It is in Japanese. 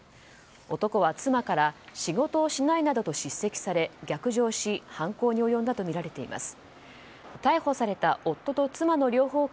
男は妻から仕事をしないなどと叱責され逆上し犯行に及んだとみられています。